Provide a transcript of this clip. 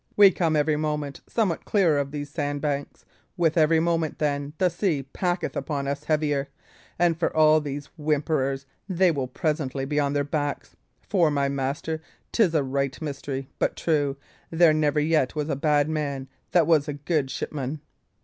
"We come every moment somewhat clearer of these sandbanks; with every moment, then, the sea packeth upon us heavier, and for all these whimperers, they will presently be on their backs. For, my master, 'tis a right mystery, but true, there never yet was a bad man that was a good shipman.